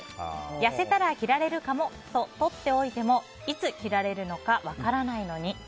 痩せたら着られるかもと取っておいてもいつ着られるのか分からないのに。